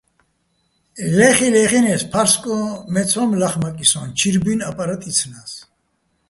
ლე́ხიჼ-ლეხინე́ს, ფა́რსკოჼ მე ცო́მ ლახმაკიჼ სოჼ, ჩირ ბუ́ჲნი̆ აპარატ იცნა́ს.